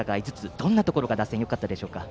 どんなところが打線よかったでしょうか。